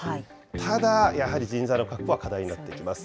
ただ、やはり人材の確保は課題になってきます。